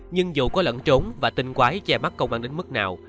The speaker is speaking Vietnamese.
nhưng dù có lẫn trốn và tình quái che mắt công an đến mức nào